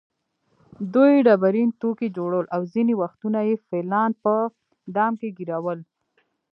دوی ډبرین توکي جوړول او ځینې وختونه یې فیلان په دام کې ګېرول.